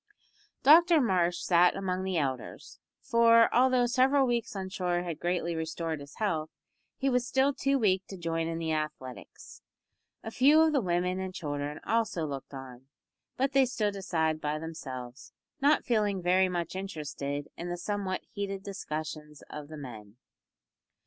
Dr Marsh sat among the elders, for, although several weeks on shore had greatly restored his health, he was still too weak to join in the athletics. A few of the women and children also looked on, but they stood aside by themselves, not feeling very much interested in the somewhat heated discussions of the men.